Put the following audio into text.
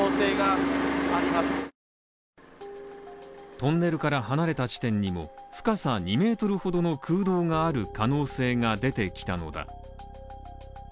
トンネルから離れた地点にも、深さ２ｍほどの空洞がある可能性が出てきたのだ。